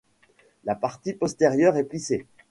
La partie postérieure est plissée.